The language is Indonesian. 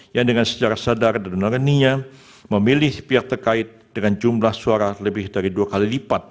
yang dengan secara sadar dan lerninya memilih pihak terkait dengan jumlah suara lebih dari dua kali lipat